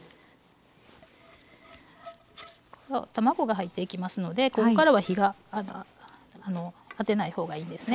卵が入っていきますのでここからは火が当てない方がいいんですね。